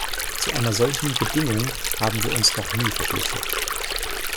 Zu einer solchen Bedingung haben wir uns noch nie verpflichtet.